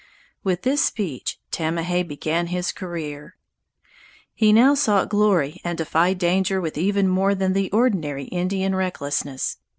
With this speech Tamahay began his career. He now sought glory and defied danger with even more than the ordinary Indian recklessness.